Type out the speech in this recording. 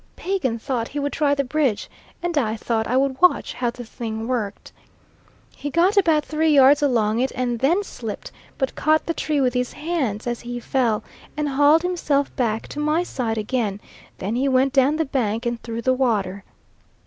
Pagan thought he would try the bridge, and I thought I would watch how the thing worked. He got about three yards along it and then slipped, but caught the tree with his hands as he fell, and hauled himself back to my side again; then he went down the bank and through the water.